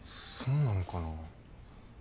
そうなのかなぁ？